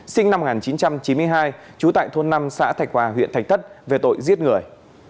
sinh năm một nghìn chín trăm chín mươi hai trú tại thôn năm xã thạch hòa huyện thạch thất về tội giết người